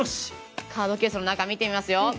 カードケースの中、見てみますよ。